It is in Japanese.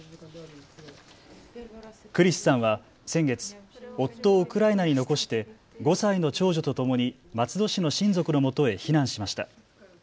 クリスさんは先月、夫をウクライナに残して５歳の長女とともに松戸市の親族のもとへ避難しました。